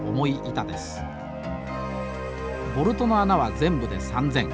ボルトの穴は全部で３，０００。